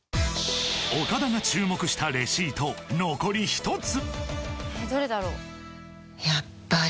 岡田が注目したレシート残り１つ